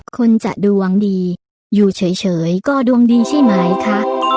คนจะดวงดีอยู่เฉยก็ดวงดีใช่ไหมคะ